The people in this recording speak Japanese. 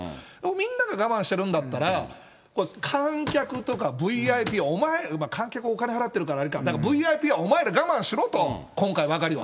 みんなが我慢してるんだったら、観客とか、ＶＩＰ、お前ら、観客はお金払ってるからあれか、ＶＩＰは、お前ら我慢しろと、今回ばかりは。